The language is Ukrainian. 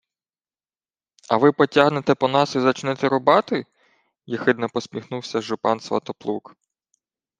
— А ви потягнете по нас і зачнете рубати? — єхидно посміхнувся жупан Сватоплук.